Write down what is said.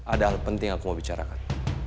ada hal penting yang aku mau bicarakan